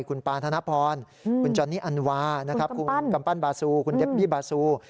คุณปานธนพรคุณจอนนี่อันวานะครับคุณกำปั้นบาซูคุณเดบบี้บาซู